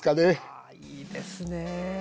あいいですね！